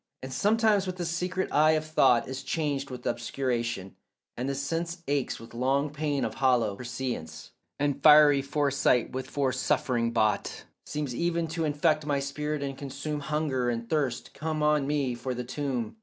And sometimes when the secret eye of thought Is changed with obscuration, and the sense Aches with long pain of hollow prescience, And fiery foresight with foresuffering bought Seems even to infect my spirit and consume, Hunger and thirst come on me for the tomb.